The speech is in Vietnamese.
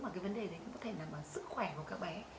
mà cái vấn đề đấy cũng có thể nằm ở sức khỏe của các bé